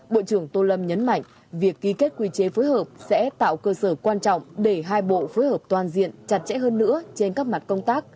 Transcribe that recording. bộ trưởng tô lâm nhấn mạnh việc ký kết quy chế phối hợp sẽ tạo cơ sở quan trọng để hai bộ phối hợp toàn diện chặt chẽ hơn nữa trên các mặt công tác